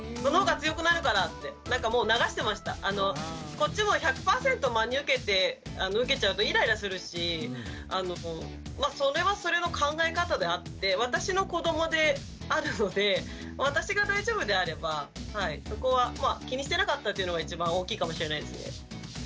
こっちも１００％真に受けちゃうとイライラするしそれはそれの考え方であって私の子どもであるので私が大丈夫であればそこは気にしてなかったというのが一番大きいかもしれないですね。